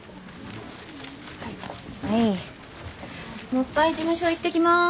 もう一回事務所行ってきます。